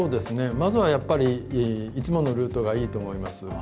まずはやっぱりいつものルートがいいと思います。